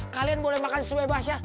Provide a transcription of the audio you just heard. kalian boleh makan sebebasnya